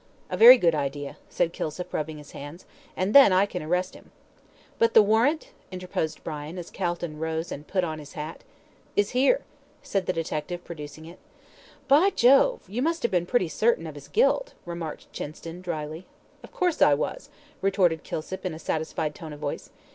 "A very good idea," said Kilsip, rubbing his hands, "and then I can arrest him." "But the warrant?" interposed Brian, as Calton rose and put on his hat. "Is here," said the detective, producing it. "By Jove, you must have been pretty certain of his guilt," remarked Chinston, dryly. "Of course I was," retorted Kilsip, in a satisfied tone of voice.